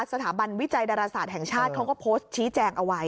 สถาบันวิจัยดาราศาสตร์แห่งชาติเขาก็โพสต์ชี้แจงเอาไว้